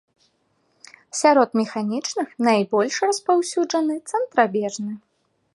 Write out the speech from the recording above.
Сярод механічных найбольш распаўсюджаны цэнтрабежны.